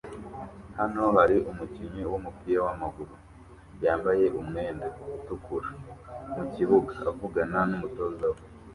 Hano hari umukinnyi wumupira wamaguru yambaye umwenda utukura mukibuga avugana numutoza we